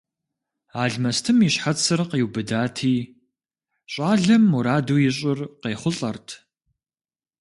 Алмэстым и щхьэцыр къиубыдати, щӀалэм мураду ищӀыр къехъулӀэрт.